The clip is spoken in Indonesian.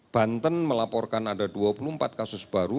banten melaporkan ada dua puluh empat kasus baru